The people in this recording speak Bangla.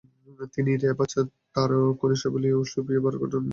তিনি রেভাজ তারখনিশভিলি এবং সোপিও বাগরাটন-দাভিতাশভিলির মেয়ে ছিলেন।